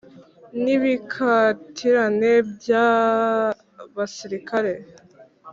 n’ibikatirane by’abasirikare,